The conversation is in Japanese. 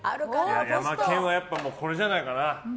ヤマケンはこれじゃないかな。